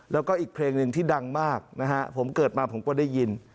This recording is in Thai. แล้วก็อีกเพลงหนึ่งที่ดังมากนะฮะผมเกิดมาผมก็ได้ยิน